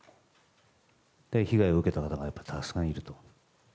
被害を受けた方がたくさんいると。